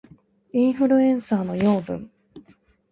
インフルエンサーの養分